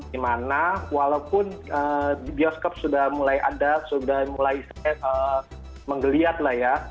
dimana walaupun bioskop sudah mulai ada sudah mulai menggeliat lah ya